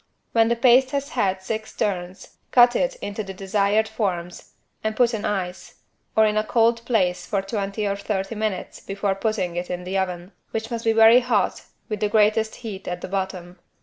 When the paste has had six turns cut it into the desired forms and put on ice, or in a cold place for twenty to thirty minutes before putting it on the oven, which must be very hot, with the greatest heat at the bottom.